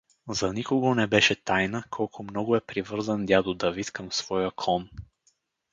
За никого не беше тайна, колко много е привързан дядо Давид към своя кон.